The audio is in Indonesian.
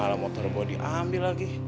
malah motor gua diambil lagi